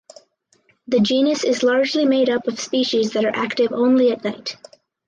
The genus is largely made up of species that are active only at night.